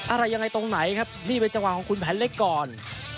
อะไรยังไงตรงไหนครับนี่เป็นจังหวะของคุณแผนเล็กก่อน